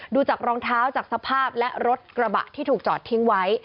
ดูจากรองเท้าจากสภาพและรถกระบะที่ถูกจอดทิ้งไว้